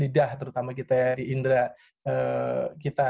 lidah terutama kita di indra kita